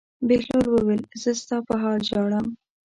بهلول وویل: زه ستا په حال ژاړم.